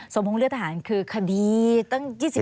สมพงษ์เรือทหารคือคดีตั้ง๒๐ปีแล้ว